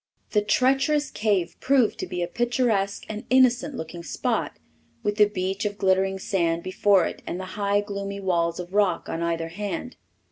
The treacherous cave proved to be a picturesque and innocent looking spot, with the beach of glittering sand before it and the high gloomy walls of rock on either hand.